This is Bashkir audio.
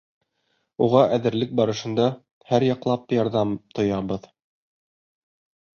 Уға әҙерлек барышында һәр яҡлап ярҙам тоябыҙ.